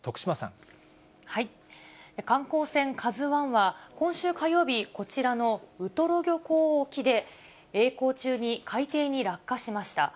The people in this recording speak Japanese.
ＫＡＺＵＩは、今週火曜日、こちらのウトロ漁港沖でえい航中に海底に落下しました。